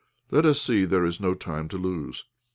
"Let us see, there is no time to lose.